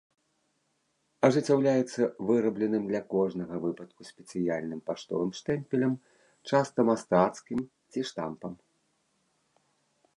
Ажыццяўляецца вырабленым для кожнага выпадку спецыяльным паштовым штэмпелем, часта мастацкім, ці штампам.